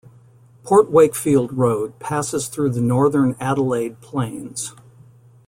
Port Wakefield Road passes through the northern Adelaide Plains.